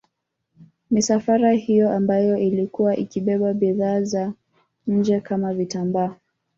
Misafara hiyo ambayo ilikuwa ikibeba bidhaa za nje kama vitambaa